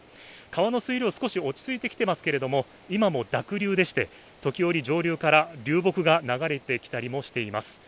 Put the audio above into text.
川の水量、少し落ち着いてきていますけれども、今も濁流でして時折、上流から流木が流れてきたりもしています。